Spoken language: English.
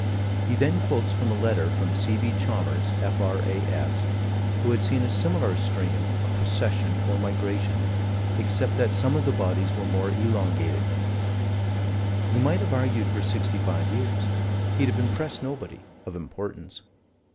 He then quotes from a letter from C.B. Chalmers, F.R.A.S., who had seen a similar stream, a procession, or migration, except that some of the bodies were more elongated or lean and hungry than globular. He might have argued for sixty five years. He'd have impressed nobody of importance.